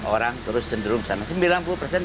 orang terus cenderung kesana